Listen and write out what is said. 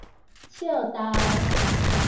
笑豆